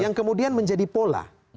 yang kemudian menjadi pola